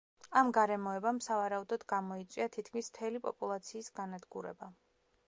ამ გარემოებამ, სავარაუდოდ გამოიწვია თითქმის მთელი პოპულაციის განადგურება.